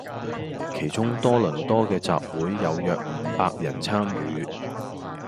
其中多倫多既集會有約伍百人參與